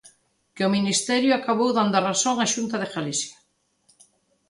Que o Ministerio acabou dando a razón á Xunta de Galicia.